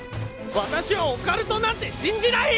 わたしはオカルトなんて信じない！